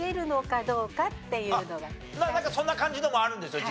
なんかそんな感じのもあるんですよ